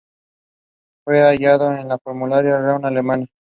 Fue llamado a la Fórmula Renault alemana.